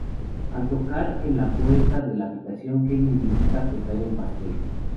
Al tocar en la puerta de la habitación Kenny indica que trae un pastel.